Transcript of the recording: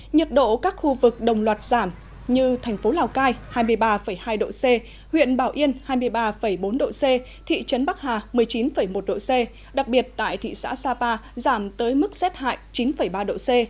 nhiệt độ các khu vực đồng loạt giảm như thành phố lào cai hai mươi ba hai độ c huyện bảo yên hai mươi ba bốn độ c thị trấn bắc hà một mươi chín một độ c đặc biệt tại thị xã sapa giảm tới mức z hại chín ba độ c